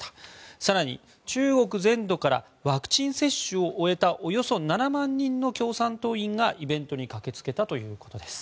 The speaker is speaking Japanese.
更に、中国全土からワクチン接種を終えたおよそ７万人の共産党員がイベントに駆けつけたということです。